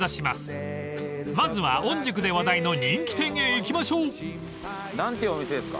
［まずは御宿で話題の人気店へ行きましょう］